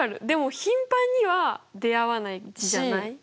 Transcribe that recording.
でも頻繁には出会わない字じゃない？